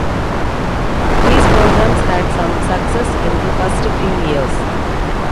These programs had some success in the first few years.